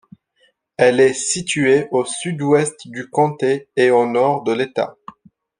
Elle est située au sud-ouest du comté et au nord de l'État.